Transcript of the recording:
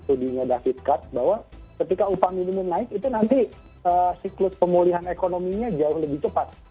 studinya david card bahwa ketika upah minimum naik itu nanti siklus pemulihan ekonominya jauh lebih cepat